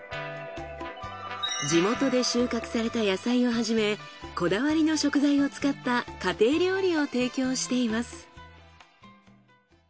地元で収穫された野菜をはじめこだわりの食材を使った家庭料理を提供しています。